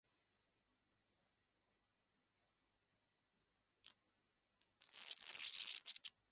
এগুলি ইউরোপ, দুই America, Africa ও এশিয়া মহাদেশ ও ওশেনিয়া অঞ্চলে অবস্থিত।